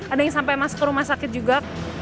ada yang sampai masuk ke rumah sakit juga